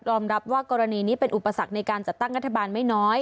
รับว่ากรณีนี้เป็นอุปสรรคในการจัดตั้งรัฐบาลไม่น้อย